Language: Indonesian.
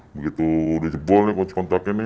begitu udah jebol nih kunci kontak ini